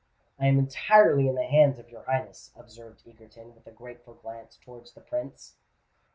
"I am entirely in the hands of your Highness," observed Egerton, with a grateful glance towards the Prince.